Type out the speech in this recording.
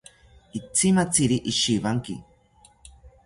Itzimatziri ishiwanki